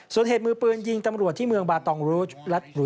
ส่วนเหตุมือปืนยิงตำรวจที่เมืองบาตองรูชรัฐ